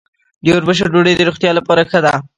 د وربشو ډوډۍ د روغتیا لپاره ښه ده.